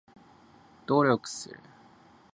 努力する